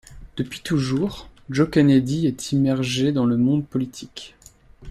Depuis toujours, Joe Kennedy est immergé dans le monde politique.